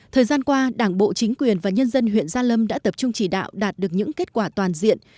thời gian qua đảng bộ chính quyền và nhân dân huyện gia lâm đã tập trung chỉ đạo đạt được những kết quả toàn diện